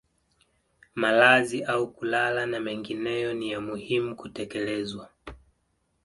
Malazi au kulala na mengineyo ni ya muhimu kutekelezwa